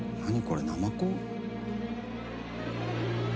これナマコ？